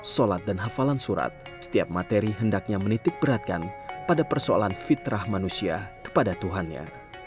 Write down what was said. sholat dan hafalan surat setiap materi hendaknya menitik beratkan pada persoalan fitrah manusia kepada tuhannya